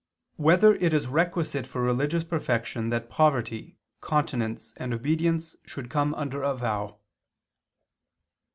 6] Whether It Is Requisite for Religious Perfection That Poverty, Continence, and Obedience Should Come Under a Vow?